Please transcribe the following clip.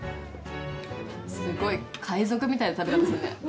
すごい！海賊みたいな食べ方するね。